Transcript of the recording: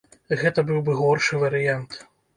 Гэта быў бы горшы варыянт.